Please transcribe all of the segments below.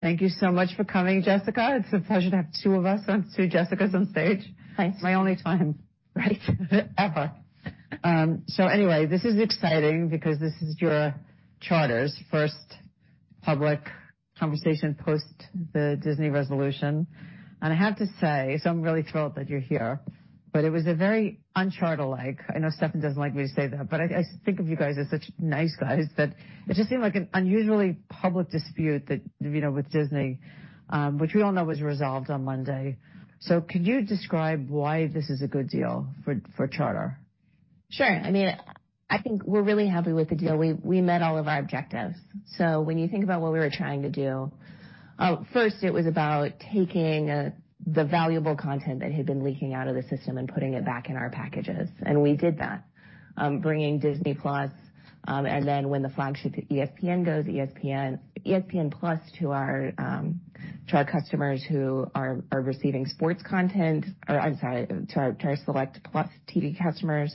Thank you so much for coming, Jessica. It's a pleasure to have two of us on, two Jessicas on stage. Thanks. My only time. Right. So anyway, this is exciting because this is your Charter's first public conversation post the Disney resolution. And I have to say, so I'm really thrilled that you're here, but it was a very un-Charter-like... I know Stefan doesn't like me to say that, but I, I think of you guys as such nice guys, that it just seemed like an unusually public dispute that, you know, with Disney, which we all know was resolved on Monday. So could you describe why this is a good deal for, for Charter? Sure. I mean, I think we're really happy with the deal. We met all of our objectives. So when you think about what we were trying to do, first, it was about taking the valuable content that had been leaking out of the system and putting it back in our packages. And we did that. Bringing Disney+, and then when the flagship ESPN goes, ESPN, ESPN+ to our Charter customers who are receiving sports content, or I'm sorry, Charter Select Plus TV customers,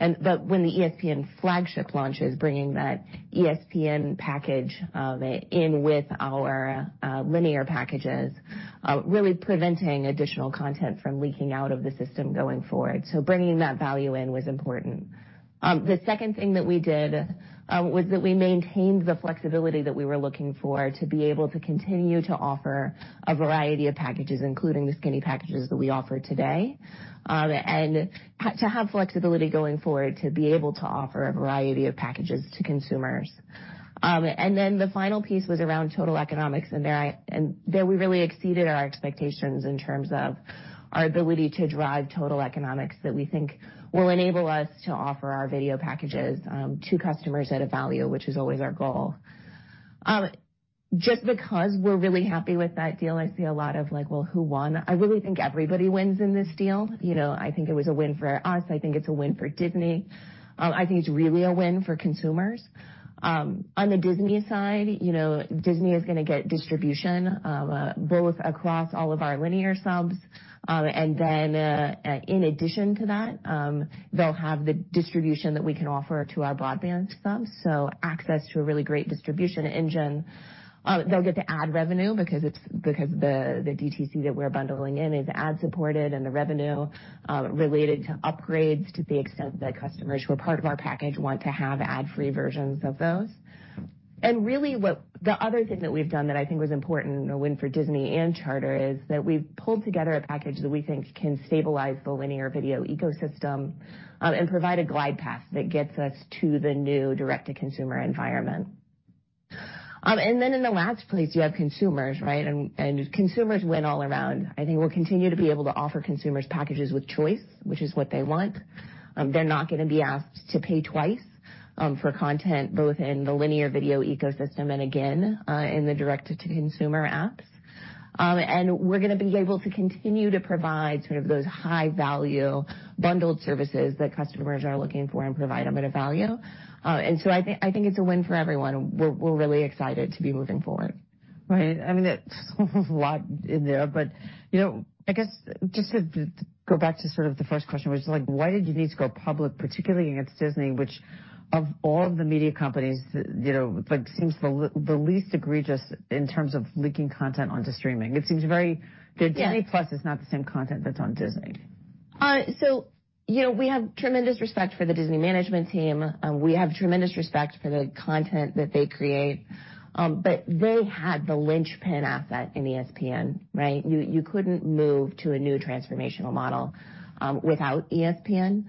and but when the ESPN flagship launches, bringing that ESPN package in with our linear packages, really preventing additional content from leaking out of the system going forward. So bringing that value in was important. The second thing that we did was that we maintained the flexibility that we were looking for to be able to continue to offer a variety of packages, including the skinny packages that we offer today, and to have flexibility going forward, to be able to offer a variety of packages to consumers. And then the final piece was around total economics, and there we really exceeded our expectations in terms of our ability to drive total economics that we think will enable us to offer our video packages to customers at a value, which is always our goal. Just because we're really happy with that deal, I see a lot of like, well, who won? I really think everybody wins in this deal. You know, I think it was a win for us. I think it's a win for Disney. I think it's really a win for consumers. On the Disney side, you know, Disney is gonna get distribution both across all of our linear subs and then in addition to that, they'll have the distribution that we can offer to our broadband subs, so access to a really great distribution engine. They'll get to add revenue because the DTC that we're bundling in is ad-supported, and the revenue related to upgrades, to the extent that customers who are part of our package want to have ad-free versions of those. And really, the other thing that we've done that I think was important, a win for Disney and Charter, is that we've pulled together a package that we think can stabilize the linear video ecosystem, and provide a glide path that gets us to the new direct-to-consumer environment. And then in the last place, you have consumers, right? And consumers win all around. I think we'll continue to be able to offer consumers packages with choice, which is what they want. They're not gonna be asked to pay twice, for content, both in the linear video ecosystem and again, in the direct-to-consumer apps. And we're gonna be able to continue to provide sort of those high-value bundled services that customers are looking for and provide them at a value. And so I think it's a win for everyone. We're really excited to be moving forward. Right. I mean, that was a lot in there, but, you know, I guess just to, to go back to sort of the first question, which is like, why did you need to go public, particularly against Disney, which of all the media companies, you know, like, seems the, the least egregious in terms of leaking content onto streaming? It seems very- Yes. The Disney+ is not the same content that's on Disney. So, you know, we have tremendous respect for the Disney management team. We have tremendous respect for the content that they create, but they had the linchpin asset in ESPN, right? You couldn't move to a new transformational model, without ESPN.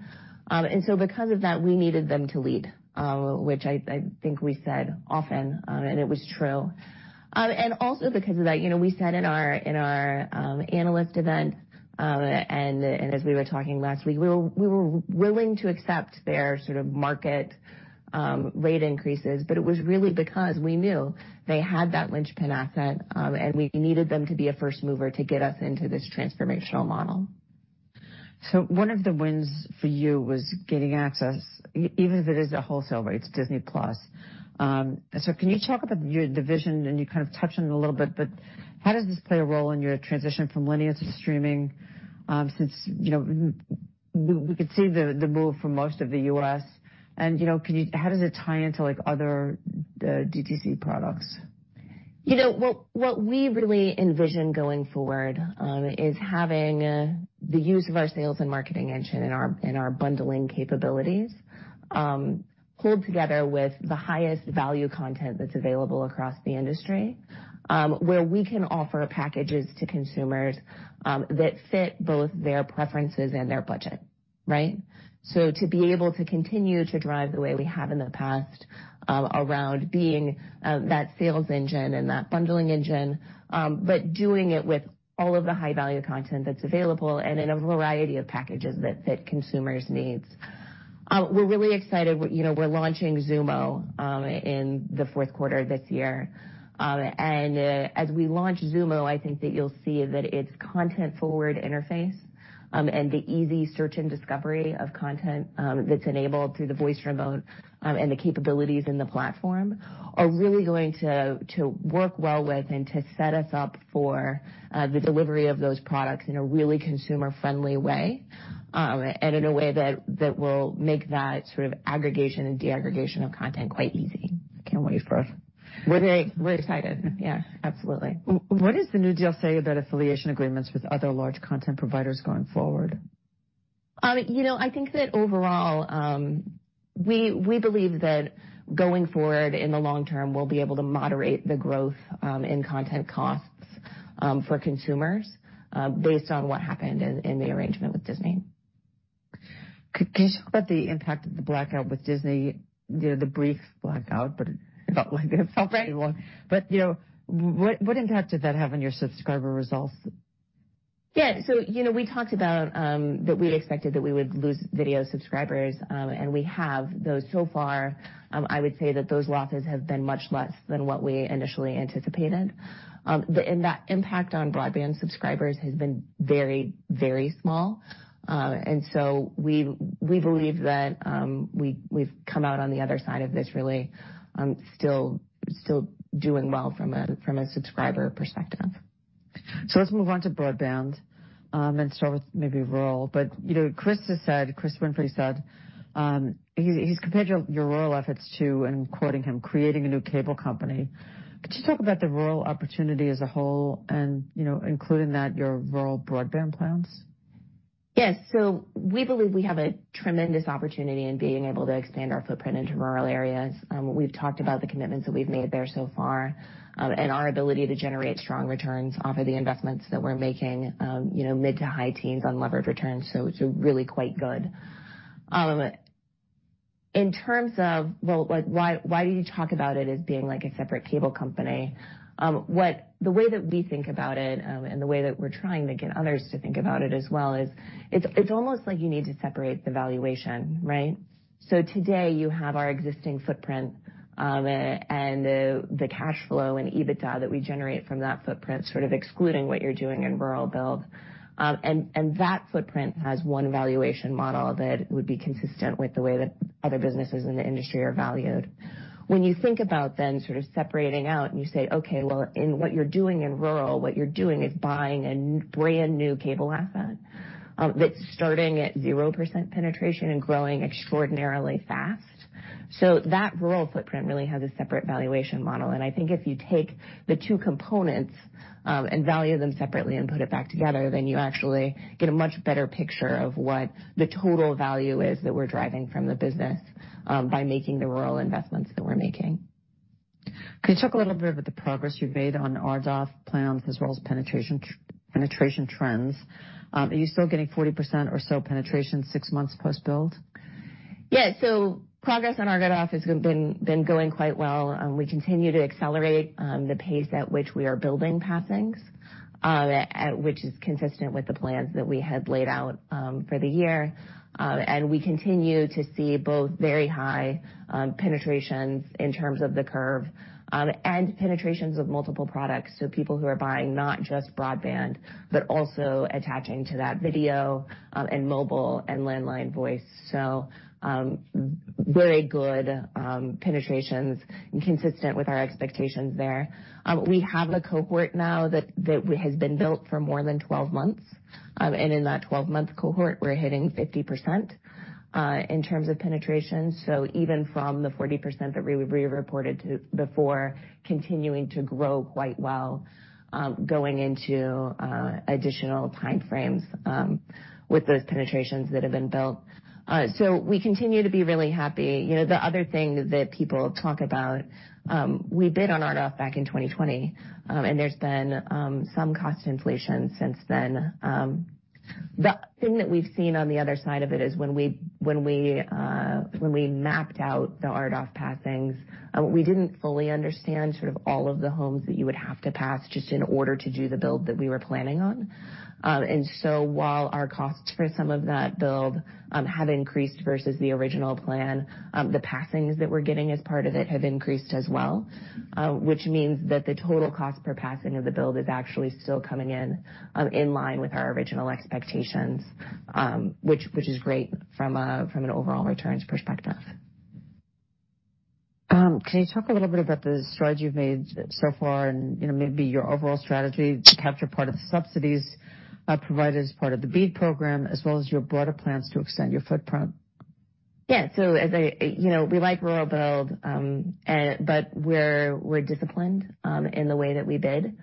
And so because of that, we needed them to lead, which I think we said often, and it was true. And also because of that, you know, we said in our analyst event, and as we were talking last week, we were willing to accept their sort of market rate increases, but it was really because we knew they had that linchpin asset, and we needed them to be a first mover to get us into this transformational model. So one of the wins for you was getting access, even if it is at wholesale, right, it's Disney+. So can you talk about your division, and you kind of touched on it a little bit, but how does this play a role in your transition from linear to streaming? Since, you know, we could see the move for most of the U.S., and, you know, could you, how does it tie into, like, other the DTC products? You know, what we really envision going forward is having the use of our sales and marketing engine and our bundling capabilities pulled together with the highest value content that's available across the industry, where we can offer packages to consumers that fit both their preferences and their budget, right? So to be able to continue to drive the way we have in the past around being that sales engine and that bundling engine, but doing it with all of the high-value content that's available and in a variety of packages that fit consumers' needs. We're really excited, you know, we're launching Xumo in the fourth quarter this year. And, as we launch Xumo, I think that you'll see that its content-forward interface, and the easy search and discovery of content, that's enabled through the voice remote, and the capabilities in the platform, are really going to work well with and to set us up for the delivery of those products in a really consumer-friendly way, and in a way that will make that sort of aggregation and deaggregation of content quite easy. I can't wait for it. We're excited. Yeah, absolutely. What does the new deal say about affiliation agreements with other large content providers going forward? ...You know, I think that overall, we believe that going forward in the long term, we'll be able to moderate the growth in content costs for consumers, based on what happened in the arrangement with Disney. Can you talk about the impact of the blackout with Disney? You know, the brief blackout, but it felt like it felt pretty long. But, you know, what impact did that have on your subscriber results? Yeah. So, you know, we talked about that we expected that we would lose video subscribers, and we have, though so far, I would say that those losses have been much less than what we initially anticipated. And that impact on broadband subscribers has been very, very small. And so we, we believe that we, we've come out on the other side of this really, still, still doing well from a, from a subscriber perspective. So let's move on to broadband and start with maybe rural. But, you know, Chris has said, Chris Winfrey said, he, he's compared your, your rural efforts to, and I'm quoting him, "Creating a new cable company." Could you talk about the rural opportunity as a whole and, you know, include in that your rural broadband plans? Yes. So we believe we have a tremendous opportunity in being able to expand our footprint into rural areas. We've talked about the commitments that we've made there so far, and our ability to generate strong returns off of the investments that we're making, you know, mid- to high-teens on levered returns, so it's really quite good. In terms of, well, like, why, why do you talk about it as being like a separate cable company? The way that we think about it, and the way that we're trying to get others to think about it as well, is it's, it's almost like you need to separate the valuation, right? So today, you have our existing footprint, and the cash flow and EBITDA that we generate from that footprint, sort of excluding what you're doing in rural build. That footprint has one valuation model that would be consistent with the way that other businesses in the industry are valued. When you think about then sort of separating out and you say, okay, well, in what you're doing in rural, what you're doing is buying a brand new cable asset, that's starting at 0% penetration and growing extraordinarily fast. So that rural footprint really has a separate valuation model, and I think if you take the two components, and value them separately and put it back together, then you actually get a much better picture of what the total value is that we're driving from the business, by making the rural investments that we're making. Can you talk a little bit about the progress you've made on RDOF plans as well as penetration, penetration trends? Are you still getting 40% or so penetration six months post build? Yeah. So progress on RDOF has been going quite well. We continue to accelerate the pace at which we are building passings, which is consistent with the plans that we had laid out for the year. We continue to see both very high penetrations in terms of the curve, and penetrations of multiple products, so people who are buying not just broadband, but also attaching to that video, and mobile and landline voice. So, very good penetrations and consistent with our expectations there. We have a cohort now that has been built for more than 12 months, and in that 12-month cohort, we're hitting 50% in terms of penetration. So even from the 40% that we reported to before, continuing to grow quite well, going into additional time frames with those penetrations that have been built. So we continue to be really happy. You know, the other thing that people talk about, we bid on RDOF back in 2020, and there's been some cost inflation since then. The thing that we've seen on the other side of it is when we mapped out the RDOF passings, we didn't fully understand sort of all of the homes that you would have to pass just in order to do the build that we were planning on. While our costs for some of that build have increased versus the original plan, the passings that we're getting as part of it have increased as well, which means that the total cost per passing of the build is actually still coming in in line with our original expectations, which is great from an overall returns perspective. Can you talk a little bit about the strides you've made so far and, you know, maybe your overall strategy to capture part of the subsidies, provided as part of the BEAD program, as well as your broader plans to extend your footprint? Yeah. So as I... You know, we like rural build, but we're disciplined in the way that we bid,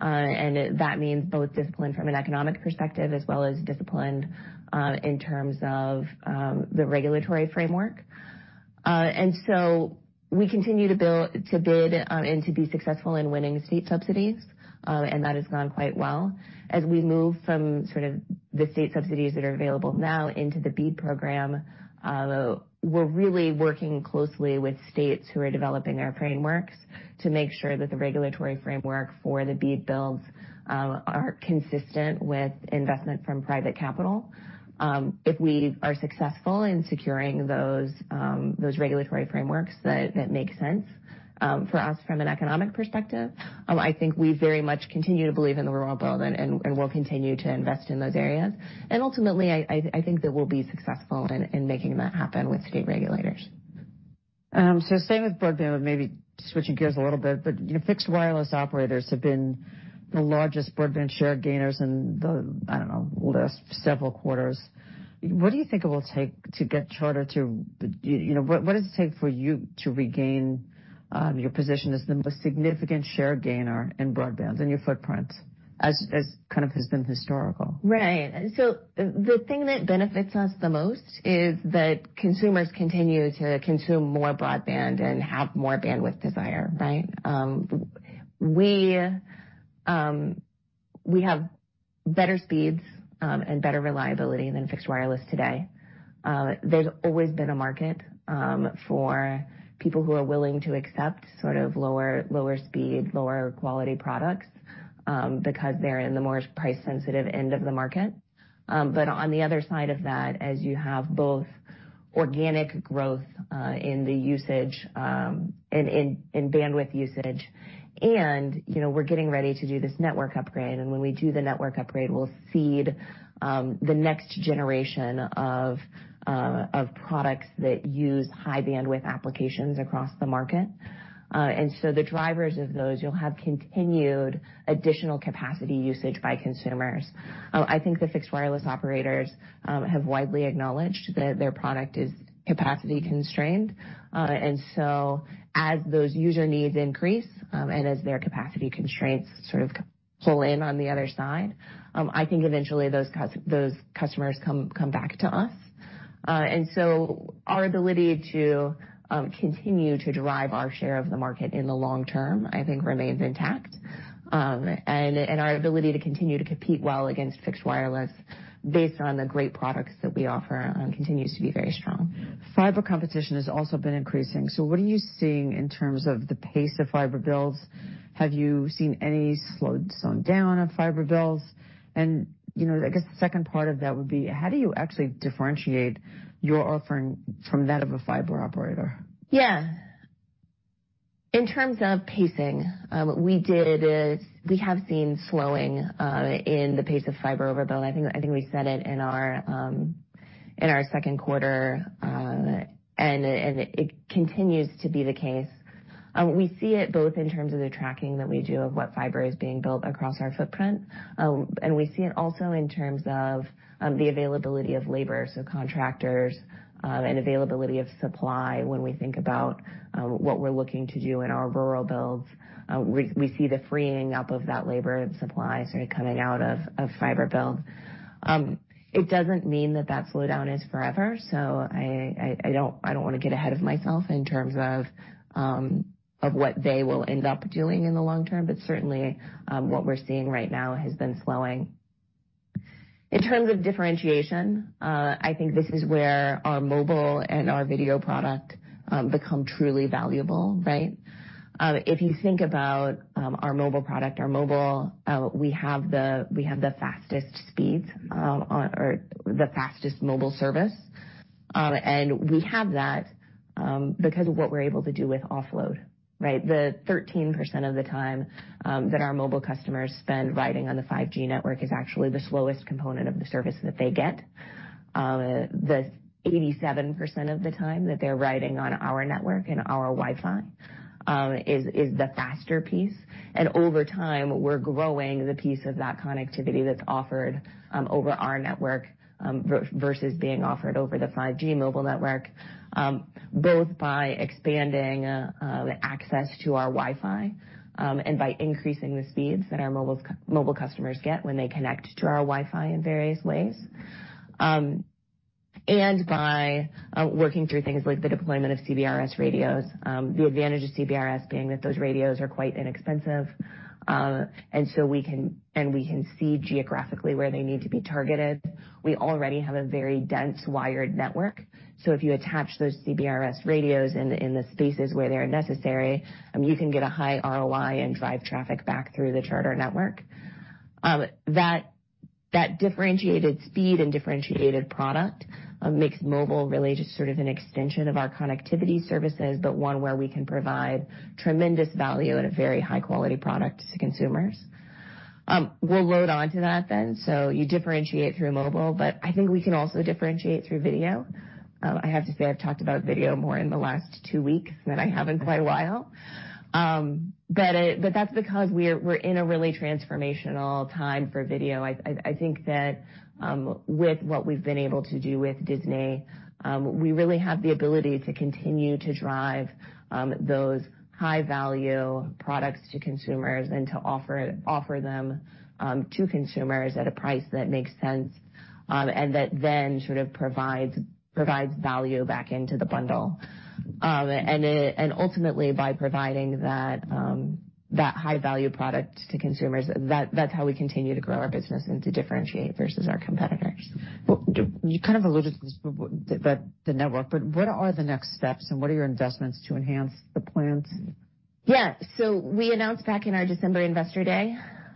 and that means both disciplined from an economic perspective as well as disciplined in terms of the regulatory framework. So we continue to bid and to be successful in winning state subsidies, and that has gone quite well. As we move from sort of the state subsidies that are available now into the BEAD program, we're really working closely with states who are developing their frameworks to make sure that the regulatory framework for the BEAD builds are consistent with investment from private capital. If we are successful in securing those regulatory frameworks that make sense for us from an economic perspective, I think we very much continue to believe in the rural build and will continue to invest in those areas. Ultimately, I think that we'll be successful in making that happen with state regulators. So staying with broadband, but maybe switching gears a little bit, but, you know, fixed wireless operators have been the largest broadband share gainers in the, I don't know, last several quarters.... What do you think it will take to get Charter to, you know, what, what does it take for you to regain, your position as the most significant share gainer in broadband, in your footprint, as, as kind of has been historical? Right. So the thing that benefits us the most is that consumers continue to consume more broadband and have more bandwidth desire, right? We have better speeds and better reliability than fixed wireless today. There's always been a market for people who are willing to accept sort of lower, lower speed, lower quality products because they're in the more price-sensitive end of the market. But on the other side of that, as you have both organic growth in the usage in bandwidth usage, and you know, we're getting ready to do this network upgrade, and when we do the network upgrade, we'll seed the next generation of products that use high bandwidth applications across the market. And so the drivers of those, you'll have continued additional capacity usage by consumers. I think the fixed wireless operators have widely acknowledged that their product is capacity constrained. And so as those user needs increase, and as their capacity constraints sort of pull in on the other side, I think eventually, those customers come back to us. And so our ability to continue to derive our share of the market in the long term, I think, remains intact. And our ability to continue to compete well against fixed wireless based on the great products that we offer continues to be very strong. Fiber competition has also been increasing, so what are you seeing in terms of the pace of fiber builds? Have you seen any slowed down on fiber builds? And, you know, I guess the second part of that would be: How do you actually differentiate your offering from that of a fiber operator? Yeah. In terms of pacing, what we did is we have seen slowing in the pace of fiber overbuild. I think, I think we said it in our second quarter, and it continues to be the case. We see it both in terms of the tracking that we do of what fiber is being built across our footprint, and we see it also in terms of the availability of labor, so contractors, and availability of supply when we think about what we're looking to do in our rural builds. We see the freeing up of that labor and supply sort of coming out of fiber build. It doesn't mean that that slowdown is forever, so I don't want to get ahead of myself in terms of what they will end up doing in the long term, but certainly what we're seeing right now has been slowing. In terms of differentiation, I think this is where our mobile and our video product become truly valuable, right? If you think about our mobile product, we have the fastest speeds or the fastest mobile service. And we have that because of what we're able to do with offload, right? The 13% of the time that our mobile customers spend riding on the 5G network is actually the slowest component of the service that they get. The 87% of the time that they're riding on our network and our Wi-Fi is the faster piece, and over time, we're growing the piece of that connectivity that's offered over our network versus being offered over the 5G mobile network, both by expanding the access to our Wi-Fi and by increasing the speeds that our mobile customers get when they connect to our Wi-Fi in various ways. And by working through things like the deployment of CBRS radios, the advantage of CBRS being that those radios are quite inexpensive, and so we can see geographically where they need to be targeted. We already have a very dense wired network, so if you attach those CBRS radios in the spaces where they are necessary, you can get a high ROI and drive traffic back through the Charter network. That differentiated speed and differentiated product makes mobile really just sort of an extension of our connectivity services, but one where we can provide tremendous value at a very high-quality product to consumers. We'll load onto that then, so you differentiate through mobile, but I think we can also differentiate through video. I have to say, I've talked about video more in the last two weeks than I have in quite a while. But that's because we're in a really transformational time for video. I think that, with what we've been able to do with Disney, we really have the ability to continue to drive those high-value products to consumers and to offer them to consumers at a price that makes sense, and that then sort of provides value back into the bundle. Ultimately, by providing that high-value product to consumers, that's how we continue to grow our business and to differentiate versus our competitors. Well, you kind of alluded to this, the network, but what are the next steps, and what are your investments to enhance the plans? Yeah. So we announced back in our December Investor Day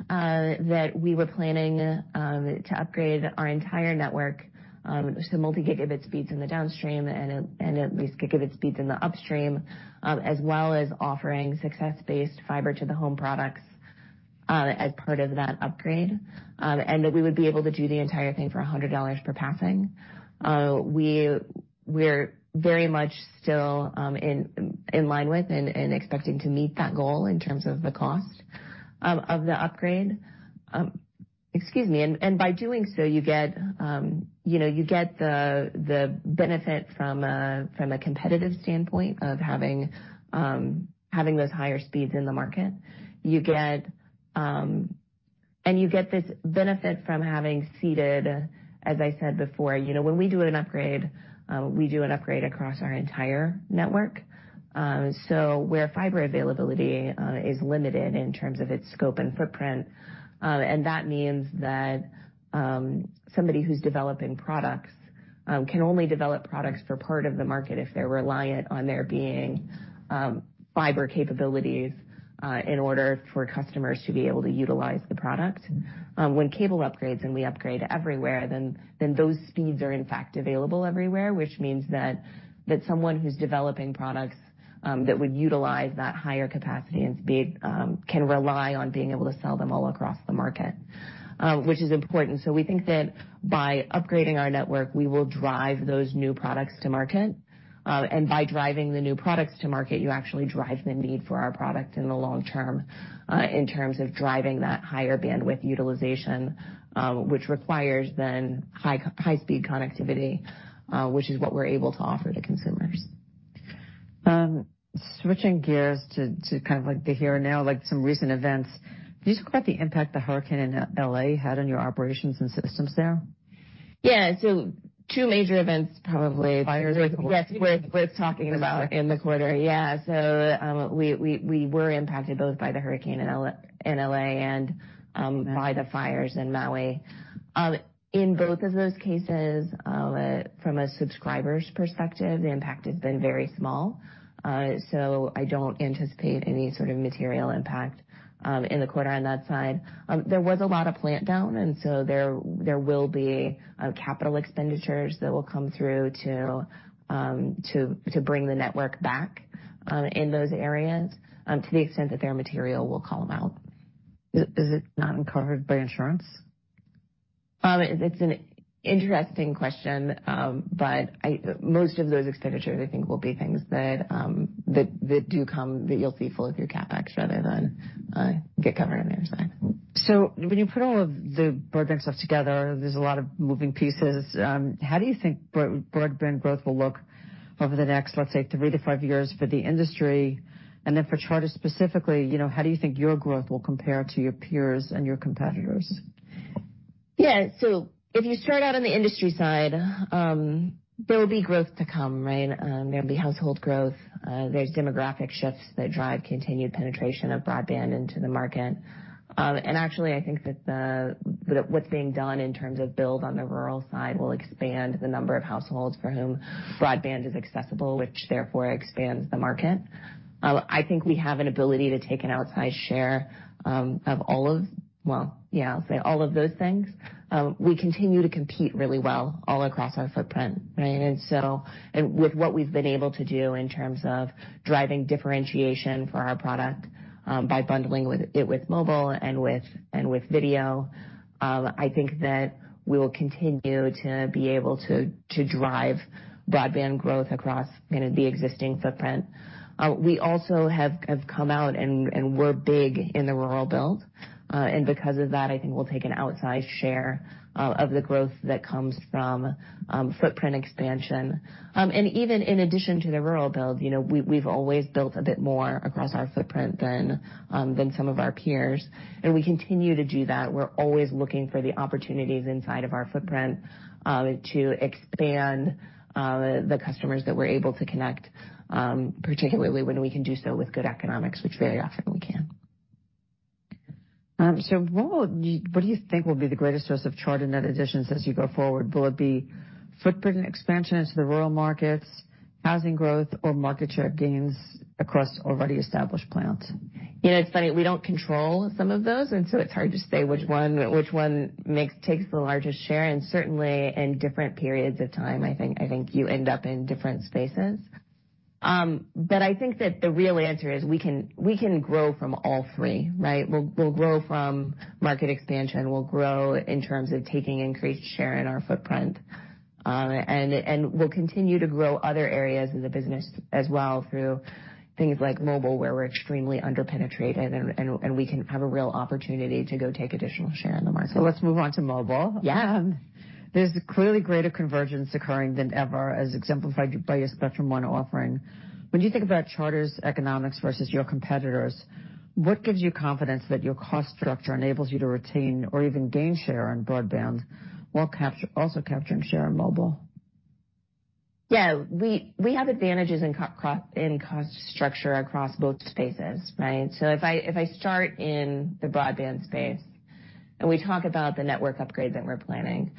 that we were planning to upgrade our entire network to multi-gigabit speeds in the downstream and at least gigabit speeds in the upstream, as well as offering success-based fiber to the home products, as part of that upgrade, and that we would be able to do the entire thing for $100 per passing. We're very much still in line with and expecting to meet that goal in terms of the cost of the upgrade. Excuse me, and by doing so, you get you know you get the benefit from a competitive standpoint of having those higher speeds in the market. You get... You get this benefit from having seeded, as I said before, you know, when we do an upgrade, we do an upgrade across our entire network, so where fiber availability is limited in terms of its scope and footprint, and that means that somebody who's developing products can only develop products for part of the market if they're reliant on there being fiber capabilities in order for customers to be able to utilize the product. When cable upgrades and we upgrade everywhere, then those speeds are, in fact, available everywhere, which means that someone who's developing products that would utilize that higher capacity and speed can rely on being able to sell them all across the market, which is important. We think that by upgrading our network, we will drive those new products to market, and by driving the new products to market, you actually drive the need for our product in the long term, in terms of driving that higher bandwidth utilization, which requires then high, high-speed connectivity, which is what we're able to offer to consumers. Switching gears to kind of like the here and now, like some recent events, can you talk about the impact the hurricane in L.A. had on your operations and systems there? Yeah. So two major events, probably- Fires. Yes, worth talking about in the quarter. Yeah. So, we were impacted both by the hurricane in L.A., and by the fires in Maui. In both of those cases, from a subscriber's perspective, the impact has been very small. So I don't anticipate any sort of material impact in the quarter on that side. There was a lot of plant down, and so there will be capital expenditures that will come through to bring the network back in those areas. To the extent that they are material, we'll call them out. Is it not covered by insurance? It's an interesting question, but I... Most of those expenditures, I think, will be things that do come, that you'll see full of your CapEx rather than get covered on the other side. When you put all of the broadband stuff together, there's a lot of moving pieces. How do you think broadband growth will look over the next, let's say, 3-5 years for the industry? And then for Charter specifically, you know, how do you think your growth will compare to your peers and your competitors? Yeah. So if you start out on the industry side, there will be growth to come, right? There'll be household growth, there's demographic shifts that drive continued penetration of broadband into the market. And actually, I think that the, that what's being done in terms of build on the rural side will expand the number of households for whom broadband is accessible, which therefore expands the market. I think we have an ability to take an outsized share, of all of... Well, yeah, I'll say all of those things. We continue to compete really well all across our footprint, right? With what we've been able to do in terms of driving differentiation for our product by bundling it with mobile and with video, I think that we will continue to be able to drive broadband growth across, you know, the existing footprint. We also have come out and we're big in the rural build, and because of that, I think we'll take an outsized share of the growth that comes from footprint expansion. And even in addition to the rural build, you know, we've always built a bit more across our footprint than some of our peers, and we continue to do that. We're always looking for the opportunities inside of our footprint, to expand, the customers that we're able to connect, particularly when we can do so with good economics, which very often we can. So what do you think will be the greatest source of Charter net additions as you go forward? Will it be footprint expansion into the rural markets, housing growth, or market share gains across already established plant? You know, it's funny, we don't control some of those, and so it's hard to say which one takes the largest share, and certainly in different periods of time, I think, I think you end up in different spaces. But I think that the real answer is, we can grow from all three, right? We'll grow from market expansion, we'll grow in terms of taking increased share in our footprint, and we'll continue to grow other areas of the business as well through things like mobile, where we're extremely underpenetrated and we can have a real opportunity to go take additional share in the market. Let's move on to mobile. Yeah. There's clearly greater convergence occurring than ever, as exemplified by your Spectrum One offering. When you think about Charter's economics versus your competitors, what gives you confidence that your cost structure enables you to retain or even gain share on broadband while also capturing share on mobile? Yeah. We have advantages in cost structure across both spaces, right? So if I start in the broadband space, and we talk about the network upgrade that we're planning,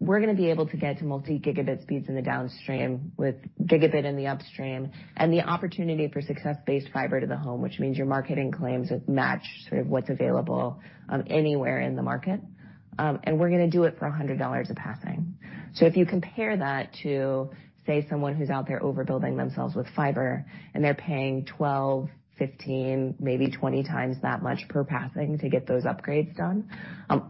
we're going to be able to get to multi-gigabit speeds in the downstream with gigabit in the upstream, and the opportunity for success-based fiber to the home, which means your marketing claims match sort of what's available anywhere in the market. And we're going to do it for $100 a passing. So if you compare that to, say, someone who's out there overbuilding themselves with fiber, and they're paying 12, 15, maybe 20 times that much per passing to get those upgrades done,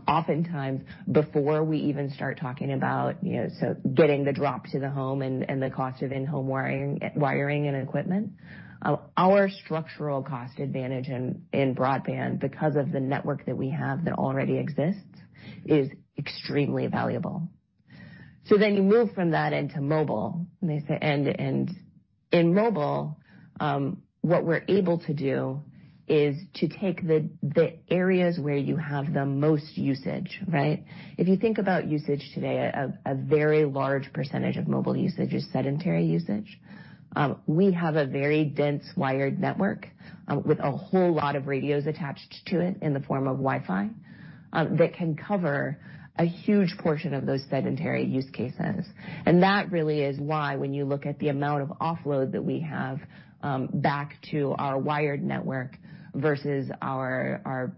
oftentimes before we even start talking about, you know, so getting the drop to the home and the cost of in-home wiring and equipment, our structural cost advantage in broadband, because of the network that we have that already exists, is extremely valuable. So then you move from that into mobile, and they say end-to-end. In mobile, what we're able to do is to take the areas where you have the most usage, right? If you think about usage today, a very large percentage of mobile usage is sedentary usage. We have a very dense wired network with a whole lot of radios attached to it in the form of Wi-Fi that can cover a huge portion of those sedentary use cases. And that really is why, when you look at the amount of offload that we have back to our wired network versus our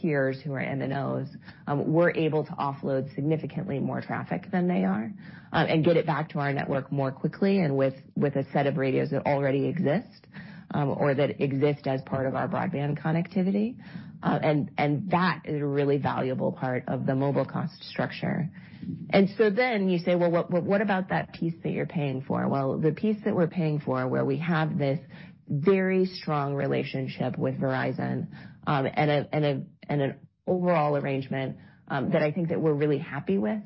peers who are MNOs, we're able to offload significantly more traffic than they are and get it back to our network more quickly and with a set of radios that already exist or that exist as part of our broadband connectivity. And that is a really valuable part of the mobile cost structure. And so then you say, "Well, what about that piece that you're paying for?" Well, the piece that we're paying for, where we have this very strong relationship with Verizon, and an overall arrangement that I think that we're really happy with.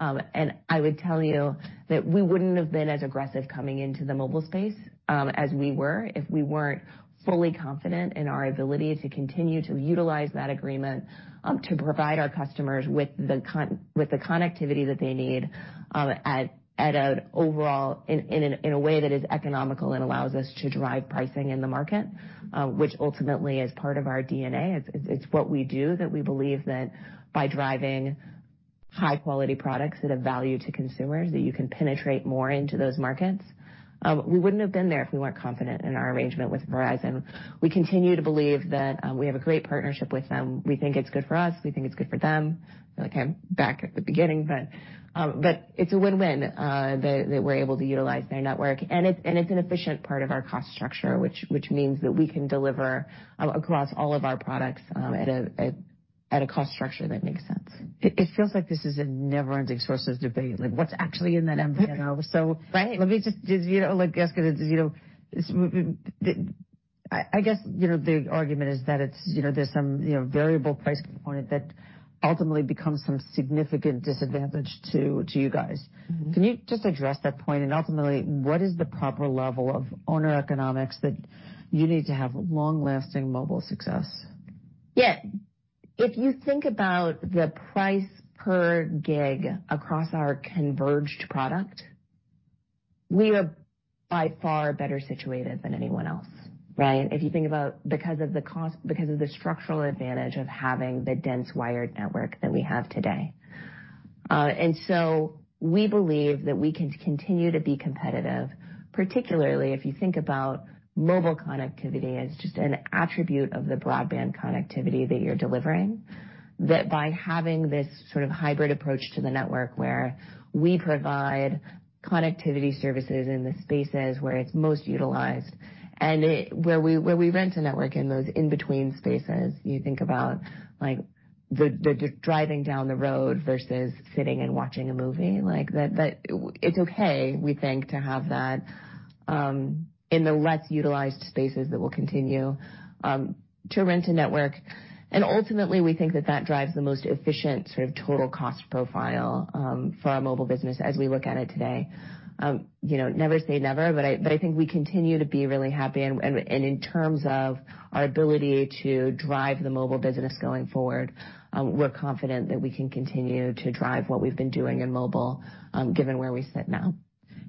And I would tell you that we wouldn't have been as aggressive coming into the mobile space as we were if we weren't fully confident in our ability to continue to utilize that agreement to provide our customers with the connectivity that they need at an overall in a way that is economical and allows us to drive pricing in the market, which ultimately is part of our DNA. It's what we do, that we believe that by driving high-quality products that have value to consumers, that you can penetrate more into those markets. We wouldn't have been there if we weren't confident in our arrangement with Verizon. We continue to believe that we have a great partnership with them. We think it's good for us. We think it's good for them. Okay, back at the beginning, but it's a win-win, that we're able to utilize their network, and it's an efficient part of our cost structure, which means that we can deliver across all of our products at a cost structure that makes sense. It feels like this is a never-ending source of debate, like, what's actually in that MVNO? Right. Let me just, you know, I guess, you know, it's, I guess, you know, the argument is that it's, you know, there's some, you know, variable price component that ultimately becomes some significant disadvantage to you guys. Mm-hmm. Can you just address that point, and ultimately, what is the proper level of owner economics that you need to have long-lasting mobile success? Yeah. If you think about the price per gig across our converged product, we are by far better situated than anyone else, right? If you think about because of the cost, because of the structural advantage of having the dense wired network that we have today. and so we believe that we can continue to be competitive, particularly if you think about mobile connectivity as just an attribute of the broadband connectivity that you're delivering, that by having this sort of hybrid approach to the network, where we provide connectivity services in the spaces where it's most utilized, and where we rent a network in those in-between spaces, you think about like the driving down the road versus sitting and watching a movie, like that it's okay, we think, to have that in the less utilized spaces that we'll continue to rent a network. And ultimately, we think that that drives the most efficient sort of total cost profile for our mobile business as we look at it today. You know, never say never, but I think we continue to be really happy, and in terms of our ability to drive the mobile business going forward, we're confident that we can continue to drive what we've been doing in mobile, given where we sit now.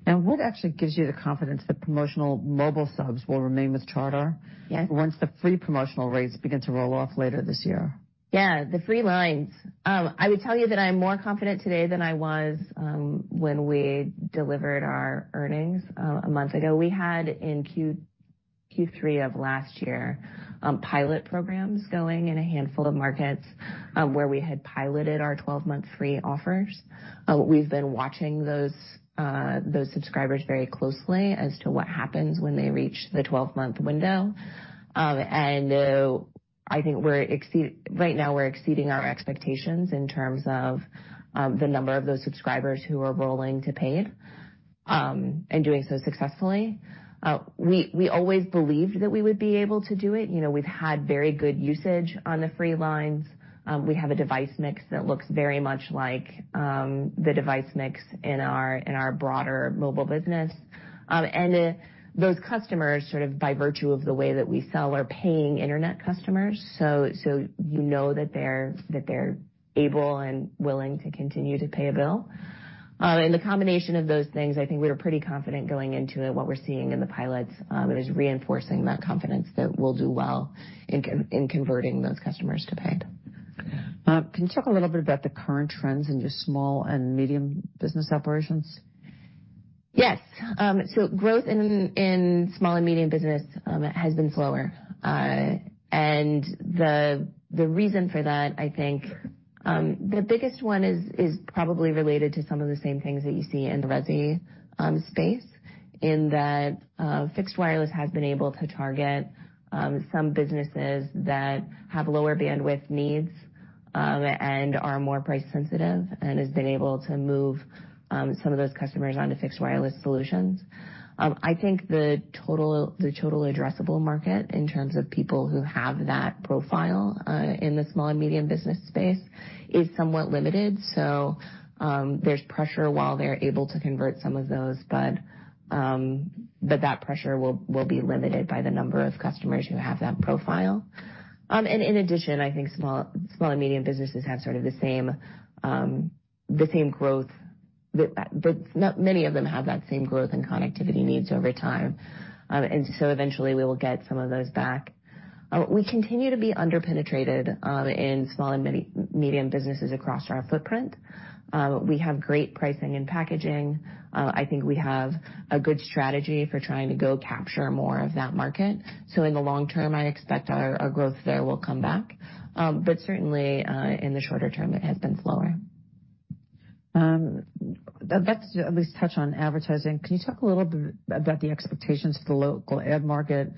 Now, what actually gives you the confidence that promotional mobile subs will remain with Charter? Yes. Once the free promotional rates begin to roll off later this year? Yeah, the free lines. I would tell you that I'm more confident today than I was when we delivered our earnings a month ago. We had in Q3 of last year pilot programs going in a handful of markets where we had piloted our 12-month free offers. We've been watching those subscribers very closely as to what happens when they reach the 12-month window. And I think right now, we're exceeding our expectations in terms of the number of those subscribers who are rolling to paid and doing so successfully. We always believed that we would be able to do it. You know, we've had very good usage on the free lines. We have a device mix that looks very much like the device mix in our broader mobile business. And those customers, sort of by virtue of the way that we sell, are paying internet customers, so you know that they're able and willing to continue to pay a bill. And the combination of those things, I think we were pretty confident going into it. What we're seeing in the pilots is reinforcing that confidence that we'll do well in converting those customers to paid. Can you talk a little bit about the current trends in your small and medium business operations? Yes. So growth in small and medium business has been slower. And the reason for that, I think, the biggest one is probably related to some of the same things that you see in the resi space, in that fixed wireless has been able to target some businesses that have lower bandwidth needs, and are more price sensitive and has been able to move some of those customers onto fixed wireless solutions. I think the total addressable market in terms of people who have that profile in the small and medium business space is somewhat limited, so there's pressure while they're able to convert some of those, but that pressure will be limited by the number of customers who have that profile. And in addition, I think small and medium businesses have sort of the same growth, but not many of them have that same growth and connectivity needs over time. And so eventually we will get some of those back. We continue to be under-penetrated in small and medium businesses across our footprint. We have great pricing and packaging. I think we have a good strategy for trying to go capture more of that market. So in the long term, I expect our growth there will come back. But certainly, in the shorter term, it has been slower. Let's at least touch on advertising. Can you talk a little bit about the expectations for the local ad market?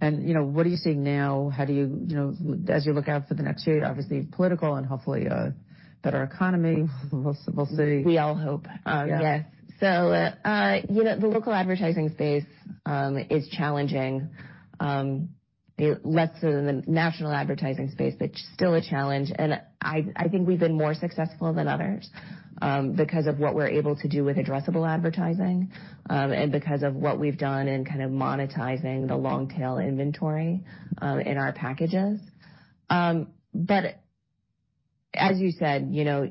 And, you know, what are you seeing now? How do you, you know, as you look out for the next year, obviously political and hopefully, better economy, we'll see. We all hope. Yeah. Yes. So, you know, the local advertising space is challenging, less so than the national advertising space, but still a challenge. And I think we've been more successful than others, because of what we're able to do with addressable advertising, and because of what we've done in kind of monetizing the long tail inventory in our packages. But as you said, you know,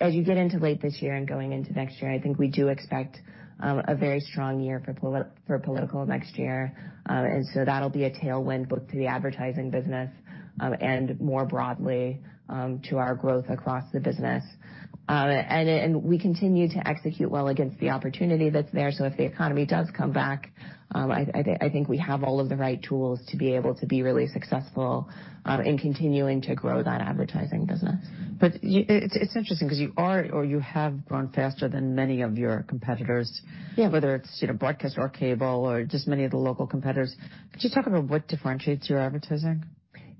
as you get into late this year and going into next year, I think we do expect a very strong year for political next year. And so that'll be a tailwind both to the advertising business and more broadly to our growth across the business. And we continue to execute well against the opportunity that's there. So if the economy does come back, I think we have all of the right tools to be able to be really successful in continuing to grow that advertising business. But you... It's, it's interesting because you are or you have grown faster than many of your competitors- Yeah. Whether it's, you know, broadcast or cable or just many of the local competitors. Could you talk about what differentiates your advertising?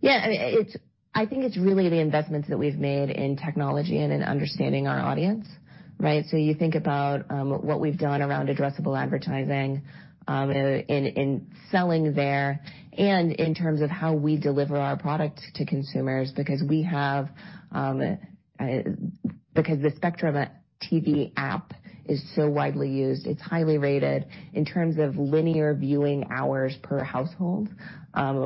Yeah. I mean, it's I think it's really the investments that we've made in technology and in understanding our audience, right? So you think about what we've done around addressable advertising in selling there and in terms of how we deliver our product to consumers because the Spectrum TV App is so widely used, it's highly rated in terms of linear viewing hours per household.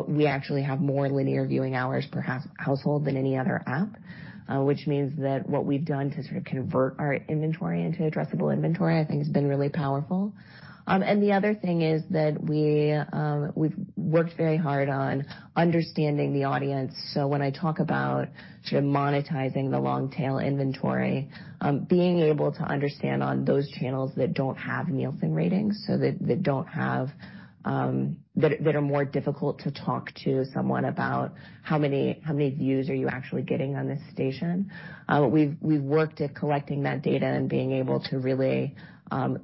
We actually have more linear viewing hours per household than any other app, which means that what we've done to sort of convert our inventory into addressable inventory, I think, has been really powerful. And the other thing is that we we've worked very hard on understanding the audience. So when I talk about sort of monetizing the long-tail inventory, being able to understand on those channels that don't have Nielsen ratings, so that don't have, that are more difficult to talk to someone about how many views are you actually getting on this station? We've worked at collecting that data and being able to really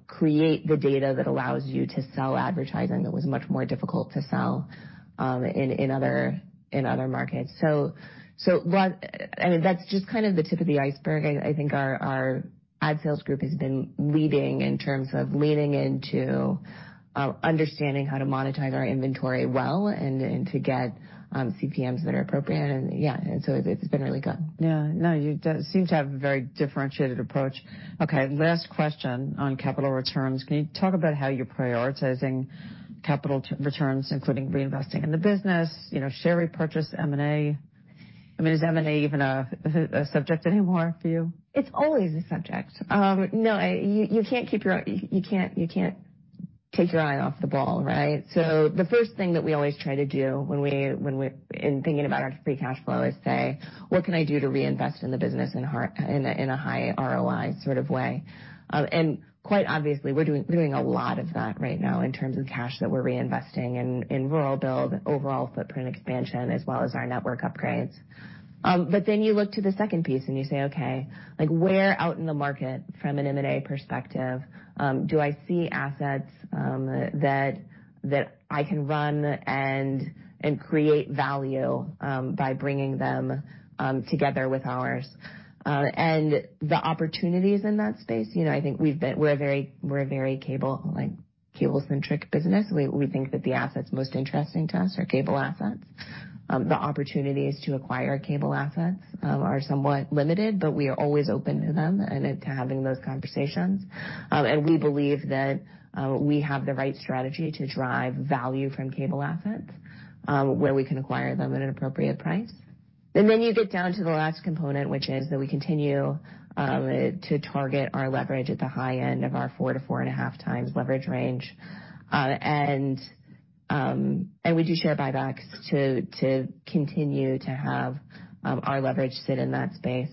create the data that allows you to sell advertising that was much more difficult to sell in other markets. So what... I mean, that's just kind of the tip of the iceberg. I think our ad sales group has been leading in terms of leaning into understanding how to monetize our inventory well and to get CPMs that are appropriate. And yeah, and so it's been really good. Yeah. No, you do seem to have a very differentiated approach. Okay, last question on capital returns. Can you talk about how you're prioritizing capital returns, including reinvesting in the business, you know, share repurchase, M&A? I mean, is M&A even a subject anymore for you? It's always a subject. No, you can't take your eye off the ball, right? So the first thing that we always try to do in thinking about our free cash flow is say: What can I do to reinvest in the business in a high ROI sort of way? And quite obviously, we're doing a lot of that right now in terms of cash that we're reinvesting in rural build, overall footprint expansion, as well as our network upgrades. But then you look to the second piece and you say, okay, like, where out in the market from an M&A perspective do I see assets that I can run and create value by bringing them together with ours? And the opportunities in that space, you know, I think we're a very, we're a very cable, like, cable-centric business. We, we think that the assets most interesting to us are cable assets. The opportunities to acquire cable assets are somewhat limited, but we are always open to them and to having those conversations. And we believe that we have the right strategy to drive value from cable assets, where we can acquire them at an appropriate price. And then you get down to the last component, which is that we continue to target our leverage at the high end of our 4-4.5x leverage range. And we do share buybacks to continue to have our leverage sit in that space.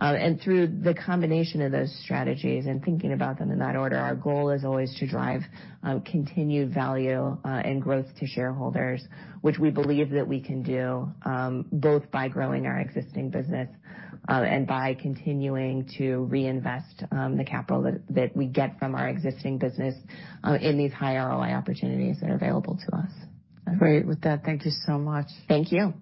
And through the combination of those strategies and thinking about them in that order, our goal is always to drive continued value and growth to shareholders, which we believe that we can do both by growing our existing business and by continuing to reinvest the capital that we get from our existing business in these high ROI opportunities that are available to us. Great with that. Thank you so much. Thank you.